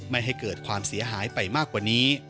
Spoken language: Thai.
ไม่ให้เกิดความเสียหายไปมากกว่านี้